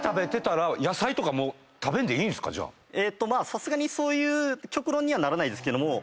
さすがにそういう極論にはならないですけども。